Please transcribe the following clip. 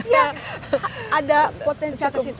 ya ada potensi atas itu